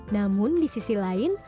namun di sisi lain